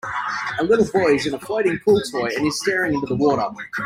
A little boy is in a floating pool toy and is staring into the water.